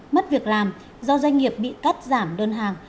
mất việc làm do doanh nghiệp bị cắt giảm đơn hàng